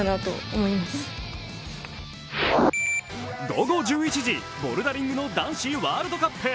午後１１時、ボルダリングのワールドカップ。